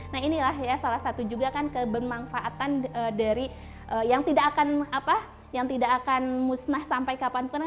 nah inilah ya salah satu juga kan kebermanfaatan dari yang tidak akan musnah sampai kapanpun